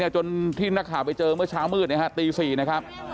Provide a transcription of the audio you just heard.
จนที่นักข่าวไปเจอเมื่อเช้ามืดตี๔นะครับ